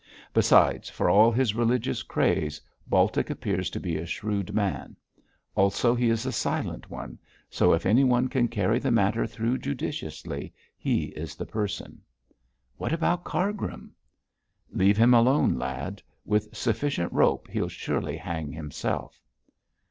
Besides, for all his religious craze, Baltic appears to be a shrewd man; also he is a silent one, so if anyone can carry the matter through judiciously, he is the person.' 'What about Cargrim?' 'Leave him alone, lad; with sufficient rope he'll surely hang himself.'